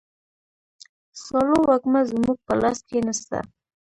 سالو وږمه زموږ په لاس کي نسته.